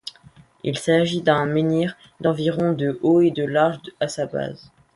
Il s'agit d'un menhir d'environ de haut et de large à sa base.